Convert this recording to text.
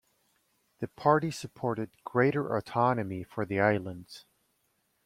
The parties supported greater autonomy for the islands.